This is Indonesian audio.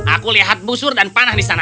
aku lihat busur dan panah di sana